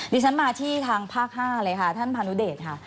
ดิฉันมาที่ทางภาค๕เลยค่ะท่านพานุเดชค่ะ